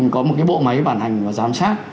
có một cái bộ máy bản hành và giám sát